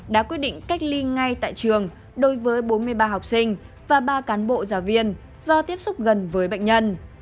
đã quyết định cách ly ngay tại trường đối với bốn mươi ba học sinh và ba cán bộ giáo viên do tiếp xúc gần với bệnh nhân